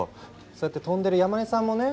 そうやって飛んでる山根さんもね